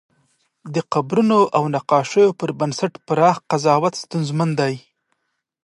د قبرونو او نقاشیو پر بنسټ پراخ قضاوت ستونزمن دی.